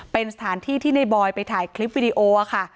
เป็นสถานที่ที่ในบอยไปถ่ายคลิปวิดีโอค่ะ